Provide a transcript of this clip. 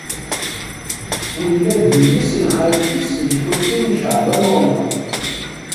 Winna d memmi-s n xalti-s n Lḥusin n Caɛban u Ṛemḍan.